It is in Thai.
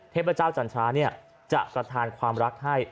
เทพเจ้าจันทราจะประทานความรักให้